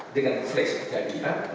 dengan flash jadinya